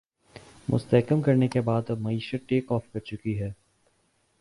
مستحکم کرنے کے بعد اب معیشت ٹیک آف کر چکی ہے